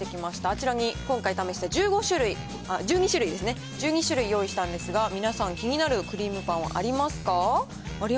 あちらに今回、試した１５種類、あっ、１２種類ですね、１２種類用意したんですが、皆さん、気になるクリームパンはありますか？